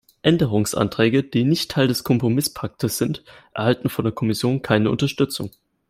Änderungsanträge, die nicht Teil des Kompromisspakets sind, erhalten von der Kommission keine Unterstützung.